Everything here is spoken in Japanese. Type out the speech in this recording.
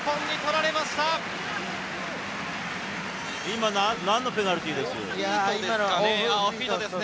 今、何のペナルティーです？